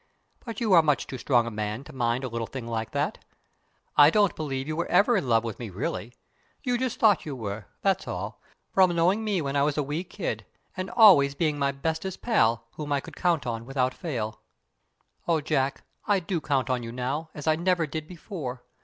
But you are much too strong a man to mind a little thing like that. I don't believe you were ever in love with me, really. You just thought you were, that's all, from knowing me when I was a wee kid, and always being my bestest pal whom I could count on without fail. Oh, Jack, I do count on you now, as I never did before.